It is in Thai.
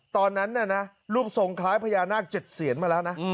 ตอนนั้นน่ะนะรูปทรงคล้ายพญานาค๗เสียนมาแล้วนะ